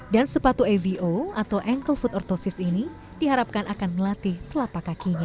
dan sepatu evo atau ankle foot orthosis ini diharapkan akan melatih telapak kakinya